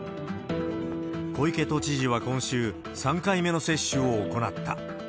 小池都知事は今週、３回目の接種を行った。